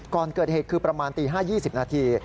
ก่อนเกิดเหตุคือประมาณตี๕๒๐นาที